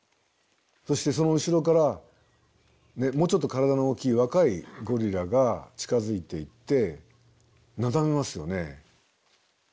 そしてその後ろからもうちょっと体の大きい若いゴリラが近づいていってなだめますよね。